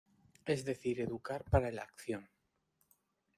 Es decir, educar para la acción.